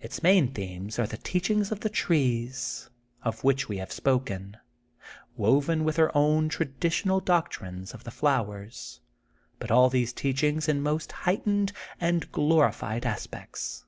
Its main themes are the teachings of the trees, of which we have spoken, woven with her own traditional doctrines of the flowers, but all these teachings in most heightened and glori THE GOLDEN BOOK OF SPRINGFIELD 25 fied aspects.